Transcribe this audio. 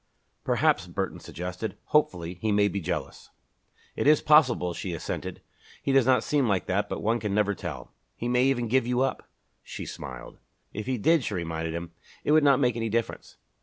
"Perhaps," Burton suggested, hopefully, "he may be jealous." "It is possible," she assented. "He does not seem like that but one can never tell." "He may even give you up!" She smiled. "If he did," she reminded him, "it would not make any difference."